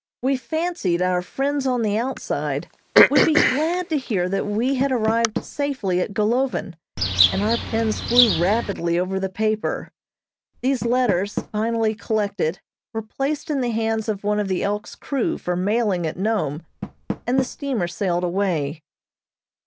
We fancied our friends on the outside would be glad to hear that we had arrived safely at Golovin, and our pens flew rapidly over the paper. These letters, finally collected, were placed in the hands of one of the "Elk's" crew for mailing at Nome, and the steamer sailed away.